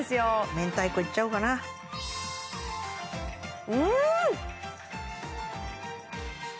明太子いっちゃおうかなうん！